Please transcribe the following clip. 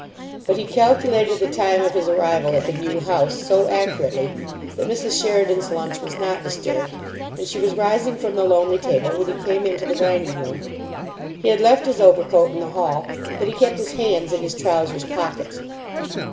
But he calculated the time of his arrival at the New House so accurately that Mrs. Sheridan's lunch was not disturbed, and she was rising from the lonely table when he came into the dining room. He had left his overcoat in the hall, but he kept his hands in his trousers pockets.